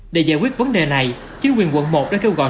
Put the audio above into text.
để giải quyết vấn đề này chính quyền quận một đã kêu gọi